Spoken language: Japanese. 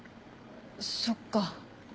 そっか。